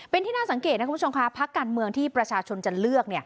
เป็นที่น่าสังเกตนะคุณผู้ชมค่ะพักการเมืองที่ประชาชนจะเลือก